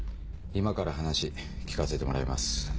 今から話聞かせてもらいます。